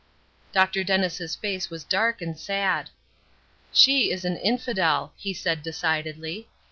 Dr. Dennis' face was dark and sad. "She is an infidel," he said, decidedly.